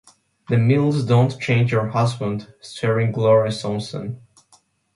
De Mille's "Don't Change Your Husband" starring Gloria Swanson.